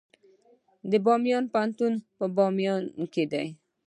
د بامیان پوهنتون په بامیان کې دی